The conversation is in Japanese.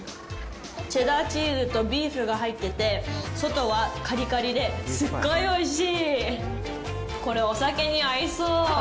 チェダーチーズとビーフが入ってて、外はカリカリですっごいおいしい。